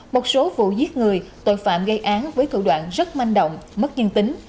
một số vụ giết người tội phạm gây án với thủ đoạn rất manh động mất nhân tính